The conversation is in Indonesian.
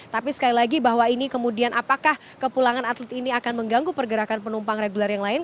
tapi sekali lagi bahwa ini kemudian apakah kepulangan atlet ini akan mengganggu pergerakan penumpang regular yang lain